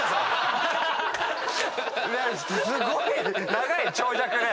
すごい長い長尺で！